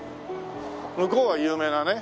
向こうは有名なね